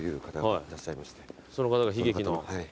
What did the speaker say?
その方が悲劇の。